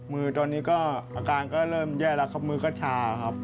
มือตอนนี้ก็อาการก็เริ่มแย่แล้วครับมือก็ชาครับ